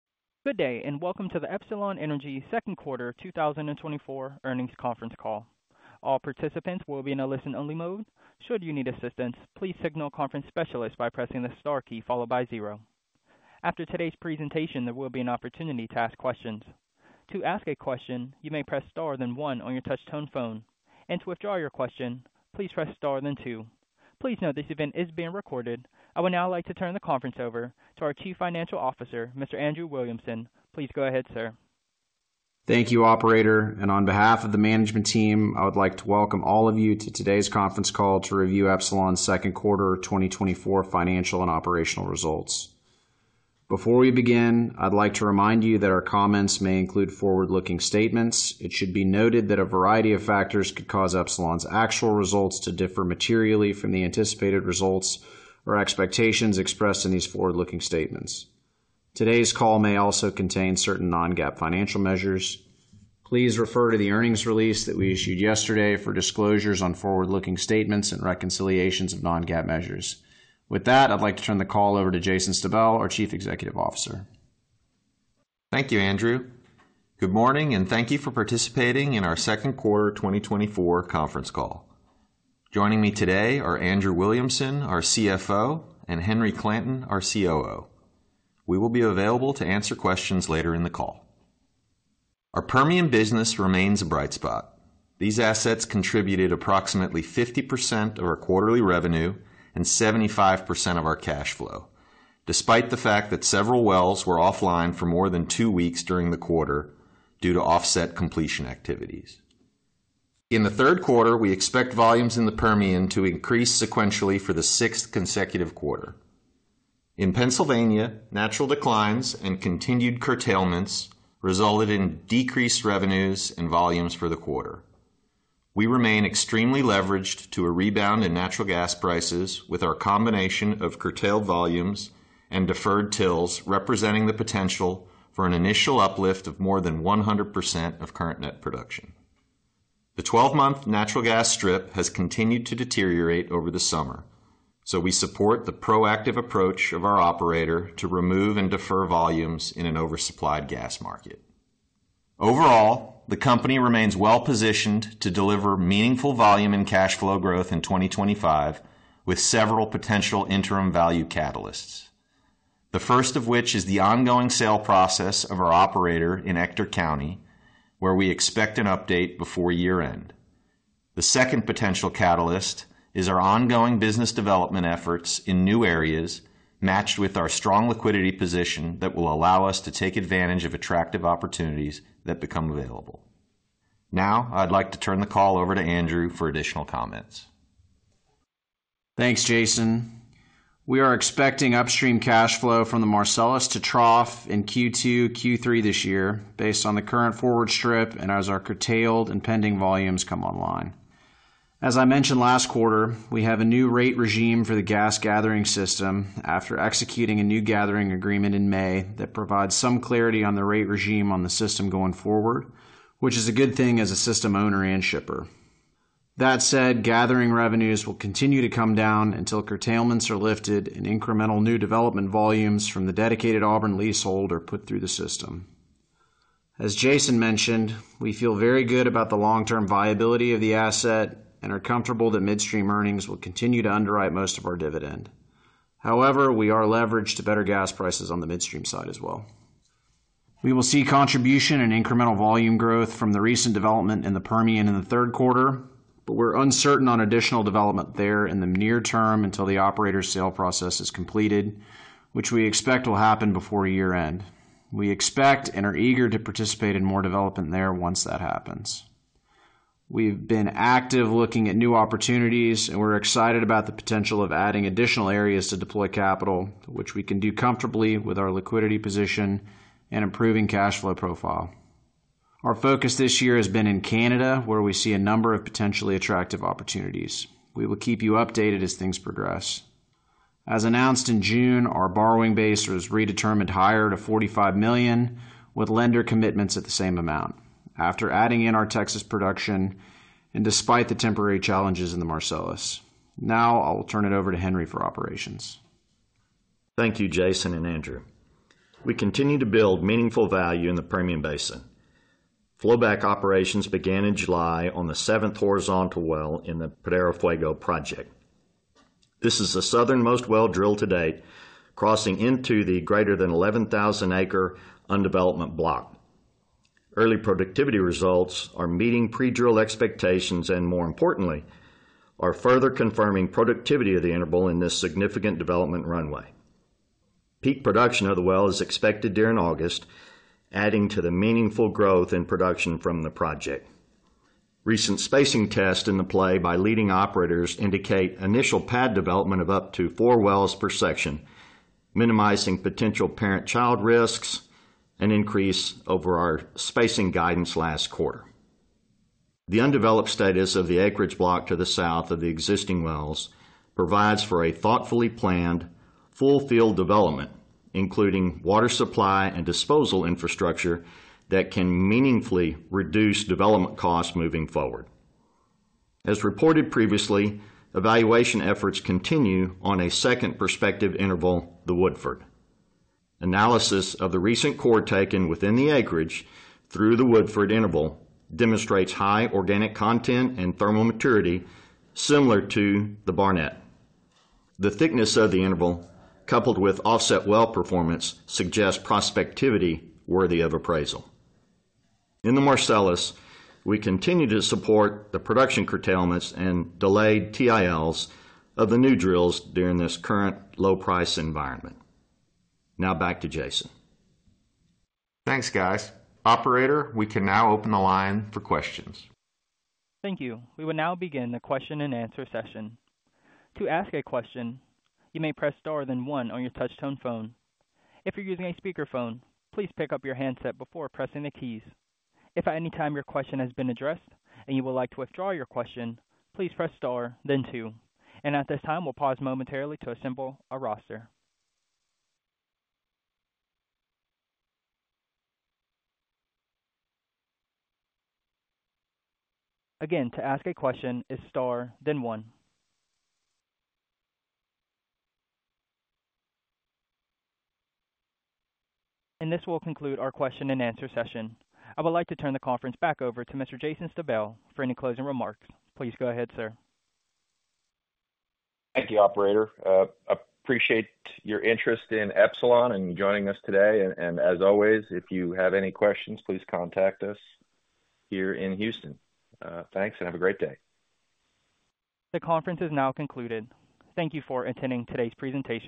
Good day, and welcome to the Epsilon Energy Second Quarter 2024 Earnings Conference Call. All participants will be in a listen-only mode. Should you need assistance, please signal a conference specialist by pressing the star key followed by zero. After today's presentation, there will be an opportunity to ask questions. To ask a question, you may press star then one on your touch tone phone, and to withdraw your question, please press star then two. Please note, this event is being recorded. I would now like to turn the conference over to our Chief Financial Officer, Mr. Andrew Williamson. Please go ahead, sir. Thank you, operator. On behalf of the management team, I would like to welcome all of you to today's conference call to review Epsilon's second quarter 2024 financial and operational results. Before we begin, I'd like to remind you that our comments may include forward-looking statements. It should be noted that a variety of factors could cause Epsilon's actual results to differ materially from the anticipated results or expectations expressed in these forward-looking statements. Today's call may also contain certain non-GAAP financial measures. Please refer to the earnings release that we issued yesterday for disclosures on forward-looking statements and reconciliations of non-GAAP measures. With that, I'd like to turn the call over to Jason Stabell, our Chief Executive Officer. Thank you, Andrew. Good morning, and thank you for participating in our second quarter 2024 conference call. Joining me today are Andrew Williamson, our CFO, and Henry Clanton, our COO. We will be available to answer questions later in the call. Our Permian business remains a bright spot. These assets contributed approximately 50% of our quarterly revenue and 75% of our cash flow, despite the fact that several wells were offline for more than 2 weeks during the quarter due to offset completion activities. In the third quarter, we expect volumes in the Permian to increase sequentially for the sixth consecutive quarter. In Pennsylvania, natural declines and continued curtailments resulted in decreased revenues and volumes for the quarter. We remain extremely leveraged to a rebound in natural gas prices, with our combination of curtailed volumes and deferred TILs, representing the potential for an initial uplift of more than 100% of current net production. The 12-month natural gas strip has continued to deteriorate over the summer, so we support the proactive approach of our operator to remove and defer volumes in an oversupplied gas market. Overall, the company remains well-positioned to deliver meaningful volume and cash flow growth in 2025, with several potential interim value catalysts. The first of which is the ongoing sale process of our operator in Ector County, where we expect an update before year-end. The second potential catalyst is our ongoing business development efforts in new areas, matched with our strong liquidity position that will allow us to take advantage of attractive opportunities that become available. Now, I'd like to turn the call over to Andrew for additional comments. Thanks, Jason. We are expecting upstream cash flow from the Marcellus to trough in Q2, Q3 this year based on the current forward strip and as our curtailed and pending volumes come online. As I mentioned last quarter, we have a new rate regime for the gas gathering system after executing a new gathering agreement in May that provides some clarity on the rate regime on the system going forward, which is a good thing as a system owner and shipper. That said, gathering revenues will continue to come down until curtailments are lifted and incremental new development volumes from the dedicated Auburn leasehold are put through the system. As Jason mentioned, we feel very good about the long-term viability of the asset and are comfortable that midstream earnings will continue to underwrite most of our dividend. However, we are leveraged to better gas prices on the midstream side as well. We will see contribution and incremental volume growth from the recent development in the Permian in the third quarter, but we're uncertain on additional development there in the near term until the operator's sale process is completed, which we expect will happen before year-end. We expect and are eager to participate in more development there once that happens. We've been active looking at new opportunities, and we're excited about the potential of adding additional areas to deploy capital, which we can do comfortably with our liquidity position and improving cash flow profile. Our focus this year has been in Canada, where we see a number of potentially attractive opportunities. We will keep you updated as things progress. As announced in June, our borrowing base was redetermined higher to $45 million, with lender commitments at the same amount. After adding in our Texas production and despite the temporary challenges in the Marcellus. Now, I will turn it over to Henry for operations. Thank you, Jason and Andrew. We continue to build meaningful value in the Permian Basin. Flowback operations began in July on the seventh horizontal well in the Pradera Fuego project. This is the southernmost well drilled to date, crossing into the greater than 11,000-acre undeveloped block. Early productivity results are meeting pre-drilled expectations and, more importantly, are further confirming productivity of the interval in this significant development runway. Peak production of the well is expected during August, adding to the meaningful growth in production from the project. Recent spacing tests in the play by leading operators indicate initial pad development of up to four wells per section, minimizing potential parent-child risks, an increase over our spacing guidance last quarter. The undeveloped status of the acreage block to the south of the existing wells provides for a thoughtfully planned full field development, including water supply and disposal infrastructure that can meaningfully reduce development costs moving forward. As reported previously, evaluation efforts continue on a second prospective interval, the Woodford. Analysis of the recent core taken within the acreage through the Woodford interval demonstrates high organic content and thermal maturity similar to the Barnett. The thickness of the interval, coupled with offset well performance, suggests prospectivity worthy of appraisal. In the Marcellus, we continue to support the production curtailments and delayed TILs of the new drills during this current low price environment. Now back to Jason. Thanks, guys. Operator, we can now open the line for questions. Thank you. We will now begin the question and answer session. To ask a question, you may press star then one on your touchtone phone. If you're using a speakerphone, please pick up your handset before pressing the keys. If at any time your question has been addressed and you would like to withdraw your question, please press star then two. And at this time, we'll pause momentarily to assemble a roster. Again, to ask a question is star then one. And this will conclude our question and answer session. I would like to turn the conference back over to Mr. Jason Stabell for any closing remarks. Please go ahead, sir. Thank you, operator. Appreciate your interest in Epsilon and joining us today. And as always, if you have any questions, please contact us here in Houston. Thanks, and have a great day. The conference is now concluded. Thank you for attending today's presentation.